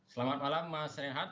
selamat malam mas rehat